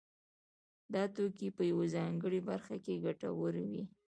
دا توکي په یوه ځانګړې برخه کې ګټور وي